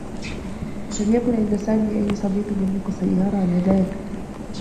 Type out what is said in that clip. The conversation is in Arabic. لم يكن عند سامي أيّ صديق يملك سيّارة آنذاك.